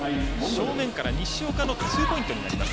正面から西岡のツーポイントになります。